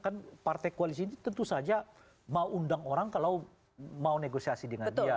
kan partai koalisi ini tentu saja mau undang orang kalau mau negosiasi dengan dia